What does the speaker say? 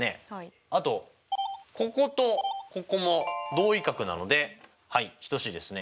あとこことここも同位角なので等しいですね。